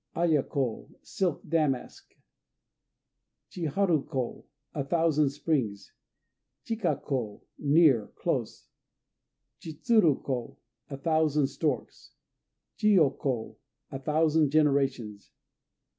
Aya ko "Silk Damask." Chiharu ko "A Thousand Springs." Chika ko "Near," close. Chitsuru ko "A Thousand Storks." Chiyo ko "A Thousand Generations."